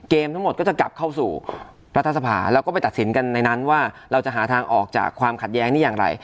ทั้งหมดก็จะกลับเข้าสู่รัฐสภาแล้วก็ไปตัดสินกันในนั้นว่าเราจะหาทางออกจากความขัดแย้งนี้อย่างไร